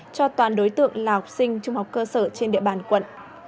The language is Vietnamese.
cho toàn đối tượng là học sinh trung học cơ sở trên địa bàn quận